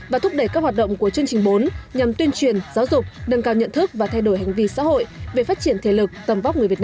và thúc đẩy các hoạt động của chương trình bốn nhằm tuyên truyền giáo dục nâng cao nhận thức và thay đổi hành vi xã hội về phát triển thể lực tầm vóc người việt nam